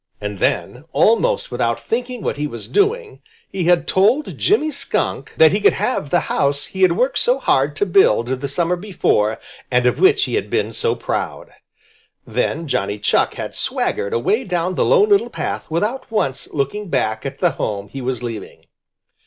And then, almost without thinking what he was doing, he had told Jimmy Skunk that he could have the house he had worked so hard to build the summer before and of which he had been so proud. Then Johnny Chuck had swaggered away down the Lone Little Path without once looking back at the home he was leaving.